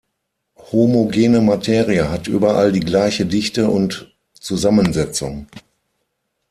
Homogene Materie hat überall die gleiche Dichte und Zusammensetzung.